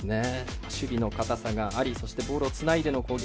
守備の堅さがありボールをつないでの攻撃